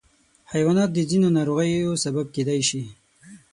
حیوانات د ځینو ناروغیو سبب کېدای شي.